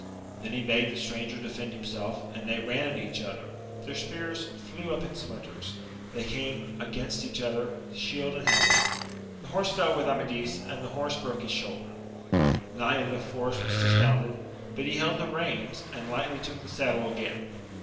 Then he bade the stranger defend himself, and they ran at each other : their spears flew up in splinters ; they came against each other, shield and helmet ; the horse fell with Amadis, and the horse broke his shoul der ; the knight of the forest was dismounted, but he held the reins, and lightly took the saddle again.